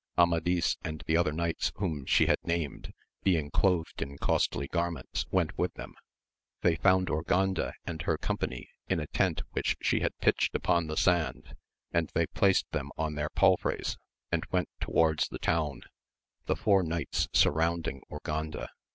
Amadis and the other knights whom she had named, being clothed in costly garments, went with them ; they found Ur ganda and her company in a tent which she had pitched upon the sand, and they placed them on their palfreys, and went towards the town, the four knights surrounding Urganda.